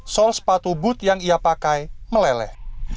sol sepatu booth yang ia pakai meleleh